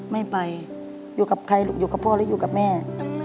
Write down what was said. ไม่ไปอยู่กับใครลูกอยู่กับพ่อหรืออยู่กับแม่